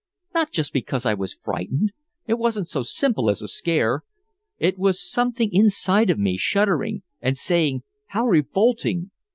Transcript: Not just because I was frightened, it wasn't so simple as a scare. It was something inside of me shuddering, and saying 'how revolting!'